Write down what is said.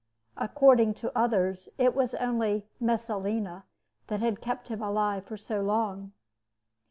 According to others, it was only "Messalina" that had kept him alive so long.